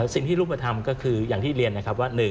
สิ่งที่รูปธรรมก็คืออย่างที่เรียนนะครับว่า